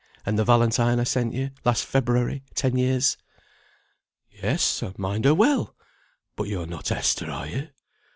And the Valentine I sent you last February ten years?" "Yes, I mind her well! But yo are not Esther, are you?"